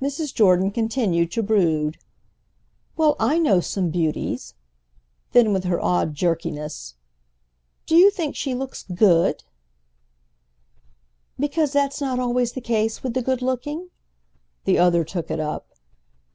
Mrs. Jordan continued to contemplate. "Well, I know some beauties." Then with her odd jerkiness: "Do you think she looks good?" she inquired. "Because that's not always the case with the good looking?"—the other took it up.